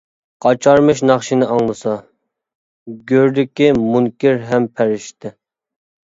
قاچارمىش ناخشىنى ئاڭلىسا، گۆردىكى مۇنكىر ھەم پەرىشتە.